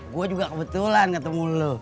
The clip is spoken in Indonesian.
gue juga kebetulan ketemu lo